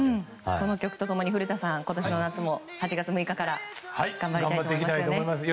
この曲と共に古田さん、今年の夏も８月６日から頑張りたいと思いますね。